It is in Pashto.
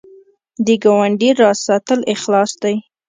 د ګاونډي راز ساتل اخلاص دی